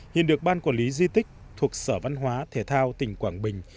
hiện được ban quản lý di tích thuộc sở văn hóa thể thao tỉnh quảng bình